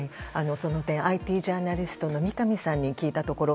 その点、ＩＴジャーナリストの三上さんに聞いたところ